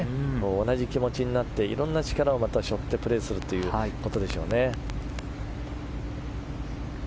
同じ気持ちになっていろんな力をしょってプレーするということでしょうね。